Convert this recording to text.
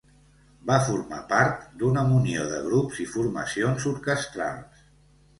Va formar part d'una munió de grups i formacions orquestrals.